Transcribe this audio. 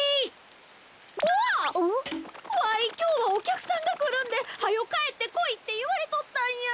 わいきょうはおきゃくさんがくるんではよかえってこいっていわれとったんや！